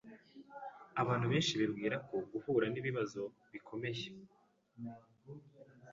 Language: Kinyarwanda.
Abantu benshi bibwira ko guhura n’ibibazo bikomeye